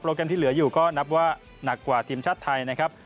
แกรมที่เหลืออยู่ก็นับว่าหนักกว่าทีมชาติไทยนะครับ